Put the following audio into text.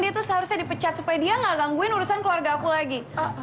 dia tuh seharusnya dipecat supaya dia gak gangguin urusan keluarga aku lagi